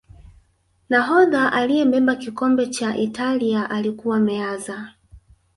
nahodha aliyebeba kikombe cha italia alikuwa Meazza